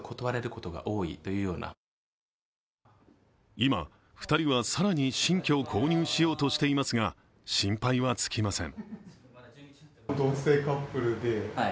今、２人は更に新居を購入しようとしていますが心配は尽きません。